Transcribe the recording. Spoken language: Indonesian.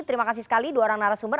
terima kasih sekali dua orang narasumber